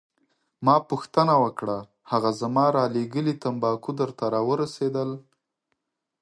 ما پوښتنه وکړه: هغه زما رالیږلي تمباکو درته راورسیدل؟